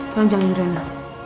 pulang jangan nyeri rena